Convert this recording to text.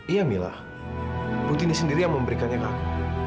iya mila butini sendiri yang memberikannya ke aku